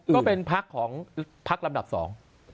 ก็เป็นภักดามาได้ของภักดาลำดับสอง